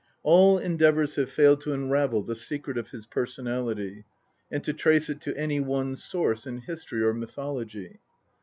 All endeavours have failed to unravel the secret of his personality, and to trace it to any one source in history or mythology.